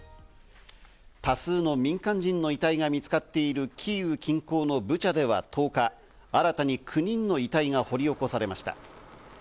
多数の民間人の遺体が見つかっているキーウ近郊のブチャでは１０日、新たに９人の遺体が掘り起こされました。